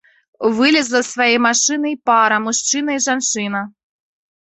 Вылезла з свае машыны і пара, мужчына і жанчына.